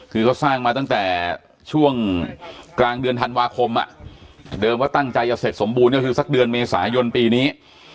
คือเขาสร้างมาตั้งแต่ช่วงกลางเดือนธันวาคมเดิมว่าตั้งใจจะเสร็จสมบูรณ์ก็คือสักเดือนเมษายนปีนี้